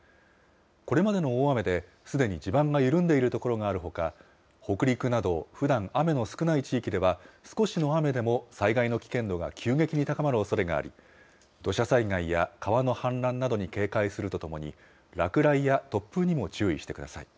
これまでの大雨ですでに地盤が緩んでいる所があるほか、北陸などふだん雨の少ない地域では、少しの雨でも災害の危険度が急激に高まるおそれがあり、土砂災害や川の氾濫などに警戒するとともに、落雷や突風にも注意してください。